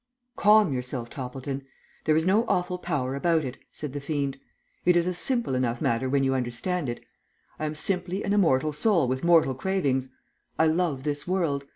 "Calm yourself, Toppleton. There is no awful power about it," said the fiend. "It is a simple enough matter when you understand it. I am simply an immortal soul with mortal cravings. I love this world.